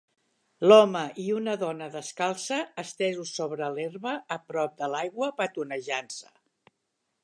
l'home i una dona descalça estesos sobre l'herba a prop de l'aigua petonejant-se